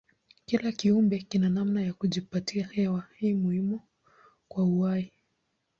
Kila kiumbe kina namna ya kujipatia hewa hii muhimu kwa uhai.